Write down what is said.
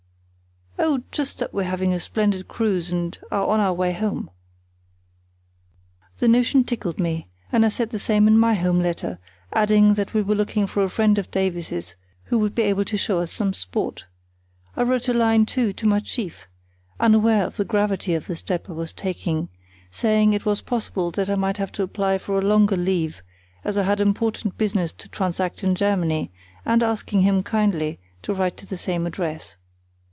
"Oh, just that we're having a splendid cruise, and are on our way home." The notion tickled me, and I said the same in my home letter, adding that we were looking for a friend of Davies's who would be able to show us some sport. I wrote a line, too, to my chief (unaware of the gravity of the step I was taking) saying it was possible that I might have to apply for longer leave, as I had important business to transact in Germany, and asking him kindly to write to the same address.